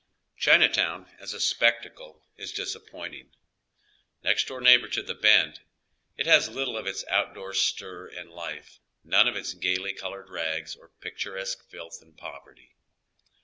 Chinatown as a spectacle is disappointing. Next door neighbor to the Bend, it has little of its outdoor stir and life, none of its gayly colored rags or picturesque filth and poverty.